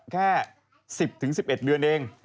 แค่๑๐๑๑เดือนเอง